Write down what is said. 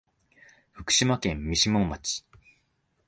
福島県三島町